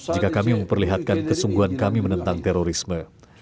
jika kami memperlihatkan kesungguhan kami menentang terorisme